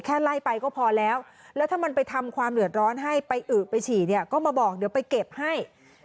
ไล่ไปก็พอแล้วแล้วถ้ามันไปทำความเดือดร้อนให้ไปอึไปฉี่เนี่ยก็มาบอกเดี๋ยวไปเก็บให้